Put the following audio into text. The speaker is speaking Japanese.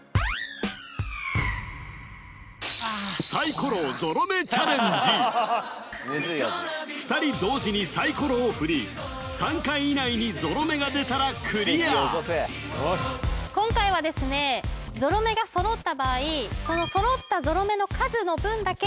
これは２人同時にサイコロを振り３回以内にゾロ目が出たらクリア今回はですねゾロ目が揃った場合その揃えたいね